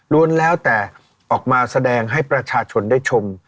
รวมแล้วแต่ออกมาแสดงให้ประชาชนได้ชม